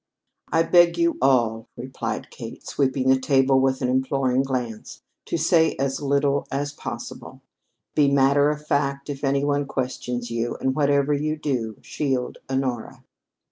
"I beg you all," replied Kate, sweeping the table with an imploring glance, "to say as little as possible. Be matter of fact if any one questions you. And, whatever you do, shield Honora."